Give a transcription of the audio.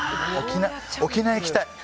沖縄行きたい！